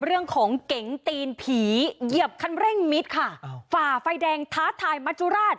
เรื่องของเก๋งตีนผีเหยียบคันเร่งมิดค่ะฝ่าไฟแดงท้าทายมัจจุราช